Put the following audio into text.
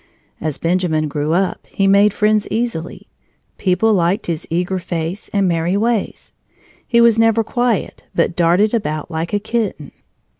As Benjamin grew up, he made friends easily. People liked his eager face and merry ways. He was never quiet but darted about like a kitten.